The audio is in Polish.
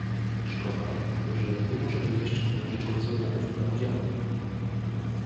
Szkoda, że nie możemy jeszcze zmierzyć rezultatów planu działań